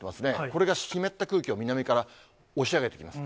これが湿った空気を南から押し上げてきます。